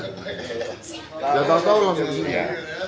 nggak tahu tahu langsung ke sini ya